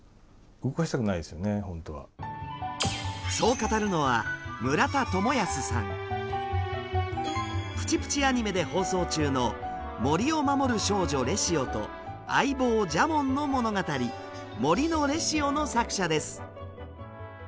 そう語るのは「プチプチ・アニメ」で放送中の森を守る少女レシオと相棒ジャモンの物語「森のレシオ」の作者です。